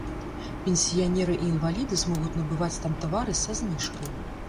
Пенсіянеры і інваліды змогуць набываць там тавары са зніжкай.